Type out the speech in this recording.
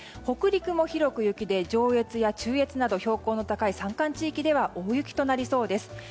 北陸も広く雪で、上越や中越など標高の高い山間地域では大雪となりそうです。